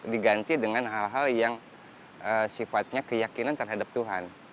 diganti dengan hal hal yang sifatnya keyakinan terhadap tuhan